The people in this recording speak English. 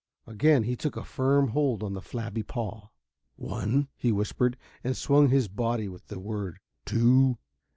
Again he took a firm hold on the flabby paw. "One," he whispered, and swung his body with the word. "Two